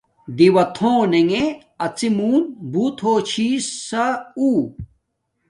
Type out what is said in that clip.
دیݸتھونݣے اَڅی مُݸن بوت ہوچھیسا اُݹ